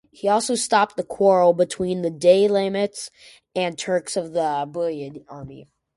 He also stopped the quarrel between the Daylamites and Turks of the Buyid army.